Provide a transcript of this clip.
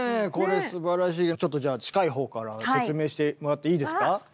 これすばらしいちょっとじゃあ近い方から説明してもらっていいですか？